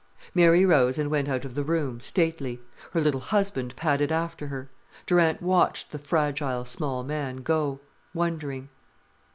Mary rose and went out of the room, stately; her little husband padded after her. Durant watched the fragile, small man go, wondering.